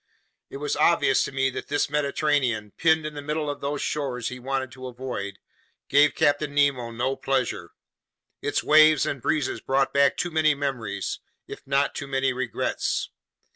It was obvious to me that this Mediterranean, pinned in the middle of those shores he wanted to avoid, gave Captain Nemo no pleasure. Its waves and breezes brought back too many memories, if not too many regrets.